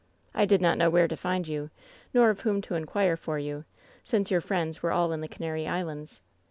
I did not know where to find you, nor of whom to inquire for you, since your friends were all in the Canary Islands.